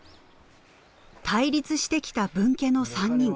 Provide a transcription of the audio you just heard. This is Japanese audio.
対立してきた分家の３人。